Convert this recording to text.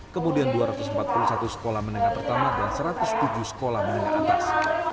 kemudian dua ratus empat puluh satu sekolah menengah pertama dan satu ratus tujuh sekolah menengah atas